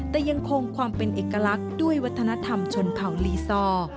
แต่ยังคงความเป็นเอกลักษณ์ด้วยวัฒนธรรมชนเผ่าลีซอร์